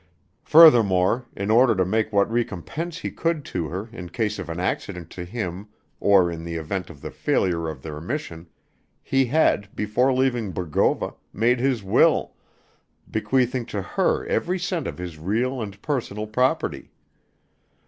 Furthermore, in order to make what recompense he could to her in case of an accident to him or in the event of the failure of their mission, he had, before leaving Bogova, made his will, bequeathing to her every cent of his real and personal property.